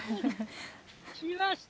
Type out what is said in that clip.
きました！